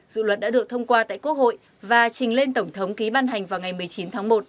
dự luật đã được thông qua tại quốc hội và trình lên tổng thống ký ban hành vào ngày một mươi chín tháng một